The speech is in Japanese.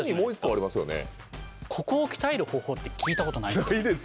ここを鍛える方法って聞いたことがないです。